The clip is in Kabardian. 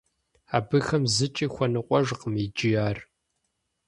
Абыхэм зыкӀи хуэныкъуэжкъым иджы ар.